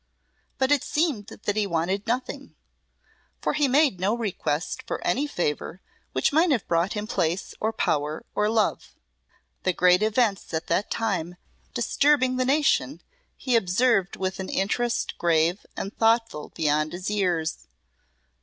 But it seemed that he wanted nothing, for he made no request for any favour which might have brought him place or power or love. The great events at that time disturbing the nation he observed with an interest grave and thoughtful beyond his years.